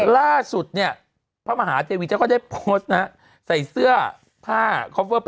ไล่ให้พี่ไปตายตลอดเลย